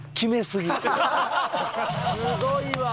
すごいわ。